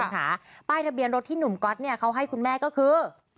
บ่อยคุณผู้ชมค่ะป้ายทะเบียนรถที่หนุ่มก๊อตเนี่ยเขาให้คุณแม่ก็คือ